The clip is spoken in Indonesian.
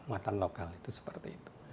muatan lokal itu seperti itu